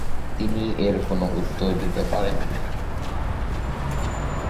তিনি এর কোন উত্তর দিতে পারেননি।